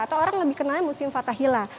atau orang lebih kenalnya museum fathahila